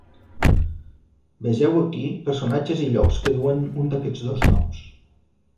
Vegeu aquí personatges i llocs que duen un d'aquests dos noms.